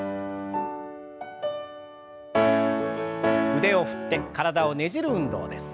腕を振って体をねじる運動です。